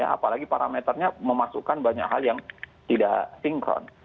apalagi parameternya memasukkan banyak hal yang tidak sinkron